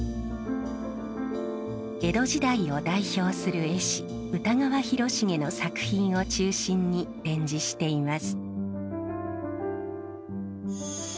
江戸時代を代表する絵師歌川広重の作品を中心に展示しています。